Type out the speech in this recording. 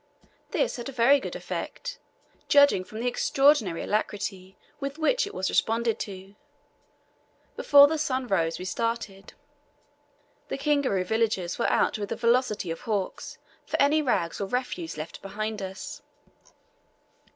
This had a very good effect, judging from the extraordinary alacrity with which it was responded to. Before the sun rose we started. The Kingaru villagers were out with the velocity of hawks for any rags or refuse left behind us.